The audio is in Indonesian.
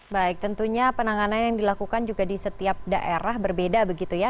baik tentunya penanganan yang dilakukan juga di setiap daerah berbeda begitu ya